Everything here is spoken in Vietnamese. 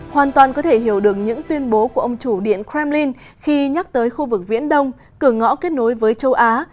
hoàn toàn có thể hiểu được những tuyên bố của ông chủ điện kremlin khi nhắc tới khu vực viễn đông cửa ngõ kết nối với châu á